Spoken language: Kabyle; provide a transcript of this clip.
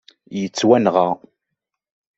Yettwanɣa